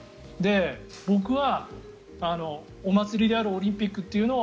僕はお祭りであるオリンピックというのを